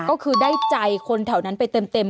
ก็คือได้ใจคนแถวนั้นไปเต็ม